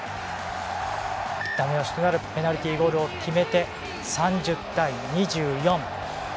ダメ押しとなるペナルティゴールを決めて３０対２４。